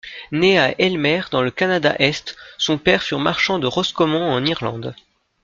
Né à Aylmer dans le Canada-Est, son père fut marchand de Roscommon en Irlande.